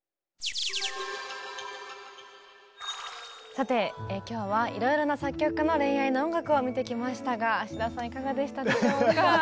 さて今日はいろいろな作曲家の恋愛の音楽を見てきましたが田さんいかがでしたでしょうか？